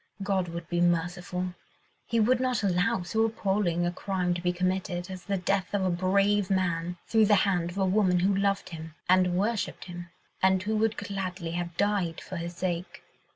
God would be merciful. He would not allow so appalling a crime to be committed, as the death of a brave man, through the hand of a woman who loved him, and worshipped him, and who would gladly have died for his sake.